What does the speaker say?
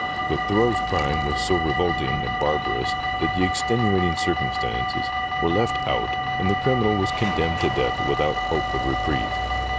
But Thurreau's crime was so revolting and barbarous that the ' extenuating circumstances ' were left out, and the criminal was condemned to death without hope of reprieve.